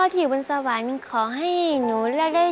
อธิษฐานว่า